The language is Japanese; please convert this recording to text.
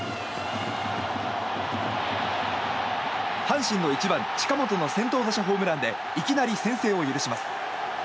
阪神の１番、近本の先頭打者ホームランでいきなり先制を許します。